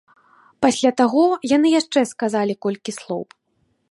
Пасля таго яны яшчэ сказалі колькі слоў.